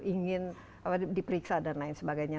ingin diperiksa dan lain sebagainya